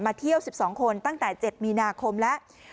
เที่ยว๑๒คนตั้งแต่๗มีนาคมแล้ว